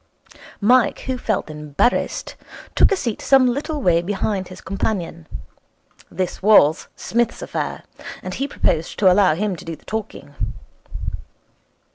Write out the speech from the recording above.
Mike, who felt embarrassed, took a seat some little way behind his companion. This was Psmith's affair, and he proposed to allow him to do the talking.